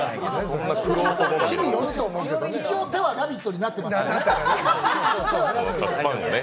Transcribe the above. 一応、手は「ラヴィット！」になっていますね。